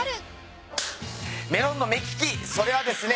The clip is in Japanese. メロンの目利きそれはですね